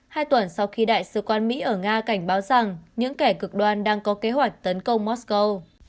hai tuần sau khi đại sứ quán mỹ ở nga cảnh báo rằng những kẻ cực đoan đang có kế hoạch tấn công moscow